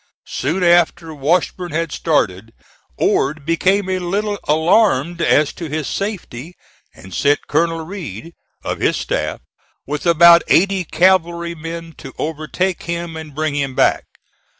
Soon after Washburn had started Ord became a little alarmed as to his safety and sent Colonel Read, of his staff, with about eighty cavalrymen, to overtake him and bring him back.